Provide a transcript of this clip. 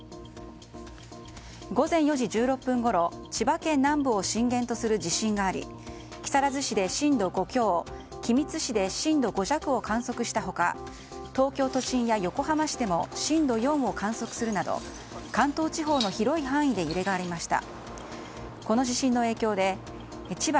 午前４時１６分ごろ千葉県南部を震源とする地震があり、木更津市で震度５強君津市で震度５弱を観測した他東京都心や横浜市でも震度４を観測するなど関東地方の広い範囲で揺れがありました。